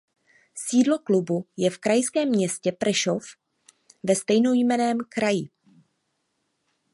Sídlo klubu je v krajském městě Prešov ve stejnojmenném kraji.